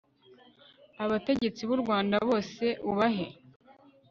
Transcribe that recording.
abategetsi b'u rwanda bose ubahe